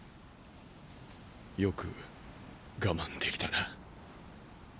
よく我慢できたな。